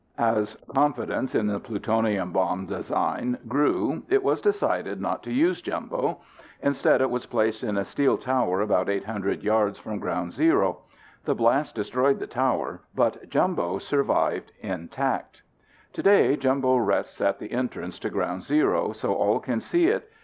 As confidence in the plutonium bomb design grew it was decided not to use Jumbo. Instead, it was placed in a steel tower about 800 yards from ground zero. The blast destroyed the tower, but Jumbo survived intact. Today Jumbo rests at the entrance to ground zero so all can see it.